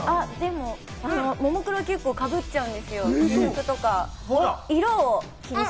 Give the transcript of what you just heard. ももクロ、結構かぶっちゃうんですよ。